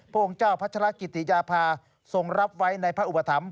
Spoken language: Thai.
องค์เจ้าพัชรกิติยาภาทรงรับไว้ในพระอุปถัมภ